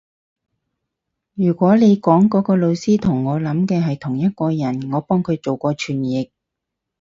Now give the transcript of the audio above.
如果你講嗰個老師同我諗嘅係同一個人，我幫佢做過傳譯